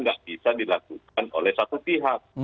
nggak bisa dilakukan oleh satu pihak